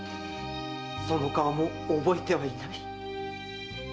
その顔も覚えてはいない。